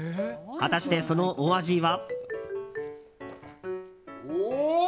果たして、そのお味は？